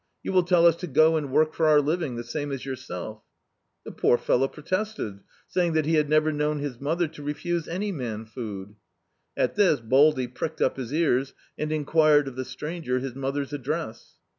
You will tell us to go and work for our living, the same as yourself." The poor fellow pro tested, saying that he had never known his mother to refuse any man food. At this Baldy pricked up his ears and enquired of the stranger his mother's address.